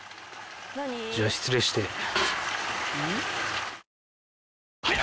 じゃあ失礼して。